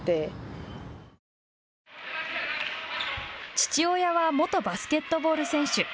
父親は元バスケットボール選手。